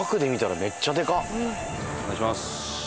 お願いします。